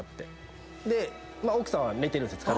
で奥さんは寝てるんですよ。